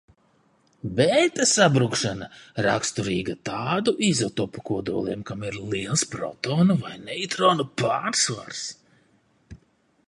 Bēta sabrukšana raksturīga tādu izotopu kodoliem, kam ir liels protonu vai neitronu pārsvars.